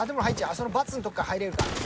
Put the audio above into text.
そのバツの所から入れるから。